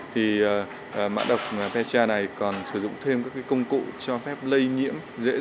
thì mã độc pecha này còn sử dụng thêm các công cụ cho phép lây nhiễm dễ dàng